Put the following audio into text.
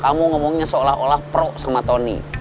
kamu ngomongnya seolah olah pro sama tony